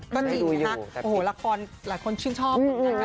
ก็ดีนะครับละครหลายคนชื่นชอบ